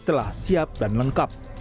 telah siap dan lengkap